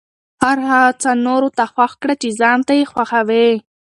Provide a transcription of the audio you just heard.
هر هغه څه نورو ته خوښ کړه چې ځان ته یې خوښوې.